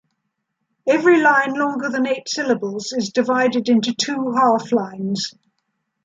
Every line longer than eight syllables is divided into two half-lines.